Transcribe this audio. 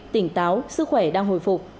tỉnh táo sức khỏe đang hồi phục